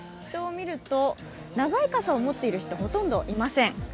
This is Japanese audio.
人を見ると長い傘を盛っている人ほとんどいません。